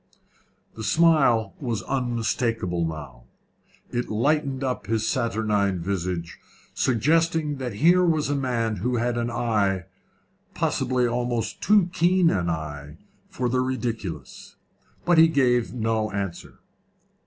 The smile was unmistakable now. It lighted up his saturnine visage, suggesting that here was a man who had an eye possibly almost too keen an eye for the ridiculous. But he gave no answer.